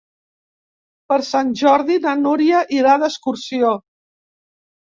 Per Sant Jordi na Núria irà d'excursió.